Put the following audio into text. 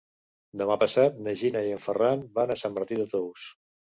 Demà passat na Gina i en Ferran van a Sant Martí de Tous.